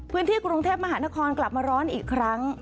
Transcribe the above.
พื้นที่กรุงเทพมหานครกลับมาร้อนอีกครั้ง